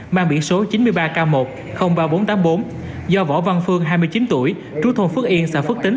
mang biển số chín mươi ba k một ba nghìn bốn trăm tám mươi bốn do võ văn phương hai mươi chín tuổi trú thôn phước yên xã phước tính